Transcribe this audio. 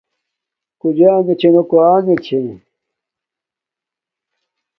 کݸ جݳݣݺ چھݺ نݸ کݸ آݣݺ چھݺ.